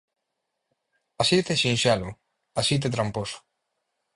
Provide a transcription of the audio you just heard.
Así de sinxelo, así de tramposo.